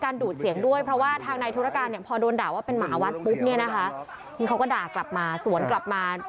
นี่นะคะเขาก็ด่ากลับมาสวนกลับมา